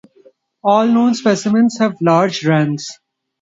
All known specimens have large rams.